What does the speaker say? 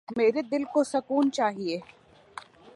میرے دل کو سکون چایئے